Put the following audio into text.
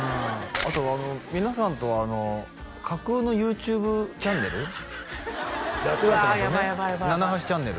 あと皆さんとは架空のＹｏｕＴｕｂｅチャンネル作られてますよね？